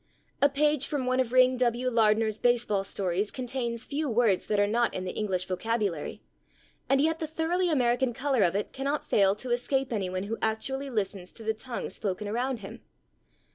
A page from one of Ring W. Lardner's baseball stories contains few words that are not in the English vocabulary, and yet the thoroughly American color of it cannot fail to escape anyone who actually listens to the tongue spoken around him.